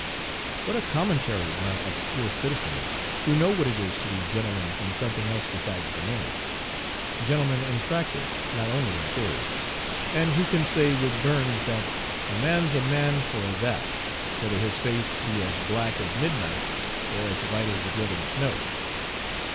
What a commentary on our 'obscure citizens,' who know what it is to be gentlemen in something else besides the name gentlemen in practice, not only in theory and who can say with Burns that 'a mans a man for a' that,' whether his face be as black as midnight or as white as the driven snow.